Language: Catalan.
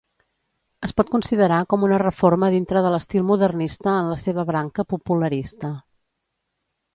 Es pot considerar com una reforma dintre de l'estil modernista en la seva branca popularista.